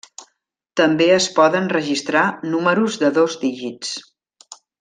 També es poden registrar números de dos dígits.